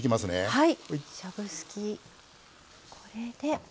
はい。